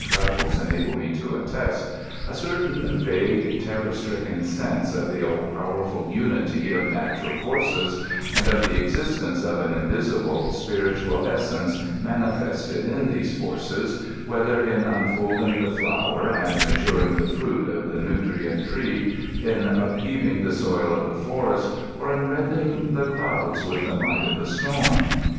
37 among the toost sarage nations (as my orvm traveb enable me to attest) a certain ragae, terror stricken sense ci the aU pow« erftil unity of natural forces, and o( the existence of an invisi ble, spiritual essence manifested in these Ibroes, whether in unfolding the flower and maturing the fruit of the nutrient tree, in UpheaYing the soil of the forest, gr in rending the clouds with the might o£ the storm.